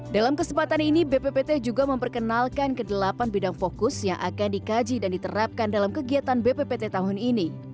dalam kesempatan ini bppt juga memperkenalkan ke delapan bidang fokus yang akan dikaji dan diterapkan dalam kegiatan bppt tahun ini